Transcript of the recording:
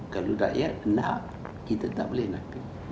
kalau rakyat kena kita tak boleh nakal